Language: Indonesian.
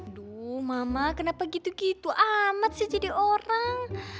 aduh mama kenapa gitu gitu amat sih jadi orang